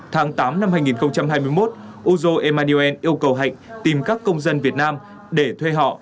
tháng tám năm hai nghìn hai mươi một uzo emaniel yêu cầu hạnh tìm các công dân việt nam để thuê họ